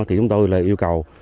thì chúng tôi là yêu cầu